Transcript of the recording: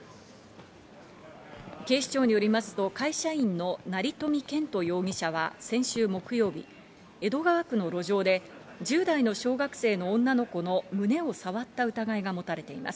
警視庁によりますと会社員の成富健人容疑者は先週木曜日、江戸川区の路上で１０代の小学生の女の子の胸を触った疑いが持たれています。